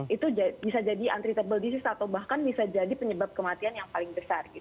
itu bisa jadi untreatable disease atau bahkan bisa jadi penyebab kematian yang paling besar